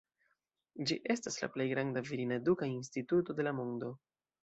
Ĝi estas la plej granda virina eduka instituto de la mondo.